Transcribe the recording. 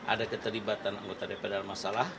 ada keterlibatan mkd pada masalah